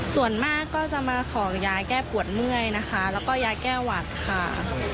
ส่วนมากก็จะมาขอยายแก้ปวดเมื่อยนะคะแล้วก็ยายแก้หวัดค่ะ